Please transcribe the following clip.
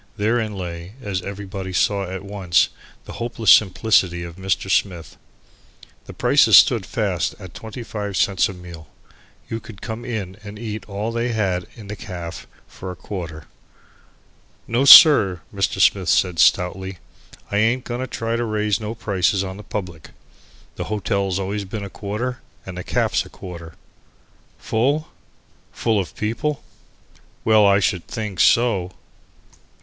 Therein lay, as everybody saw at once, the hopeless simplicity of Mr. Smith. The prices stood fast at 25 cents a meal. You could come in and eat all they had in the caff for a quarter. "No, sir," Mr. Smith said stoutly, "I ain't going to try to raise no prices on the public. The hotel's always been a quarter and the caff's a quarter." Full? Full of people? Well, I should think so!